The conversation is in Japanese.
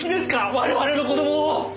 我々の子供を。